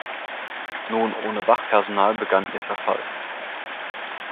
Nun ohne Wachpersonal begann ihr Verfall.